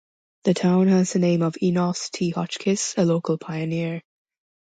The town has the name of Enos T. Hotchkiss, a local pioneer.